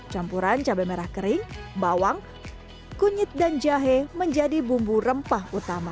campuran cabai merah kering bawang kunyit dan jahe menjadi bumbu rempah utama